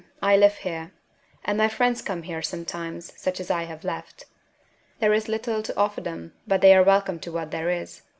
I live here; and my friends come here sometimes, such as I have left. There is little to offer them, but they are welcome to what there is.